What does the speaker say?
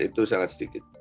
itu sangat sedikit